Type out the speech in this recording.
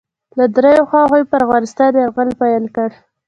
له دریو خواوو یې پر افغانستان یرغل پیل کړ.